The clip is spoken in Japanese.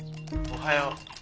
おはよう。